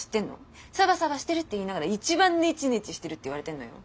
サバサバしてるって言いながら一番ネチネチしてるって言われてんのよ。